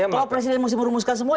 kalau presiden mesti merumuskan semua